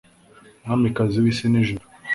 mwamikazi w'isi n'ijuru